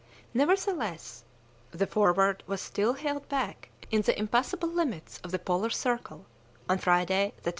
Nevertheless, the Forward was still held back in the impassable limits of the Polar Circle on Friday, the 27th of April.